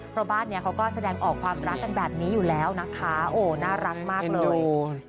เพราะบ้านนี้เขาก็แสดงออกความรักกันแบบนี้อยู่แล้วนะคะโอ้น่ารักมากเลย